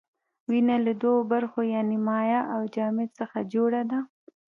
وینه له دوو برخو یعنې مایع او جامد څخه جوړه ده.